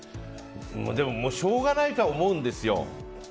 もうしょうがないとは思うんですよ。